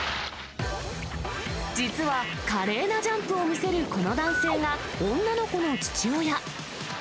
実は華麗なジャンプを見せるこの男性が、女の子の父親。